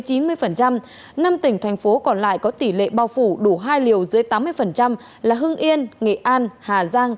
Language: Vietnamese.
năm tỉnh thành phố còn lại có tỷ lệ bao phủ đủ hai liều dưới tám mươi là hưng yên nghệ an hà giang